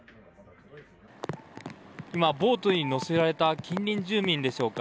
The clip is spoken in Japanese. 今、ボートに乗せられた近隣住民でしょうか。